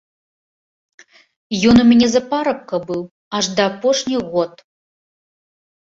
Ён у мяне за парабка быў аж да апошніх год.